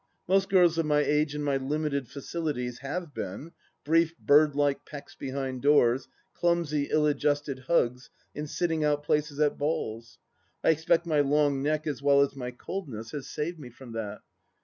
Most girls of my age and my limited facilities have been — brief birdlike pecks behind doors, clumsy ill adjusted hugs in sitting out places at balls. I expect my long neck as well as my coldness has saved me from that.